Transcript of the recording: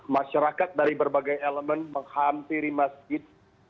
masyarakat dari berbagai elemen menghampiri masjid